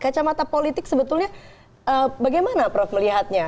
kacamata politik sebetulnya bagaimana prof melihatnya